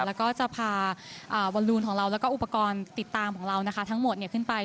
แล้วก็จะพาบอลลูนของเราแล้วก็อุปกรณ์ติดตามของเรานะคะทั้งหมดขึ้นไป